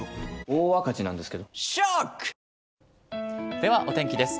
ではお天気です。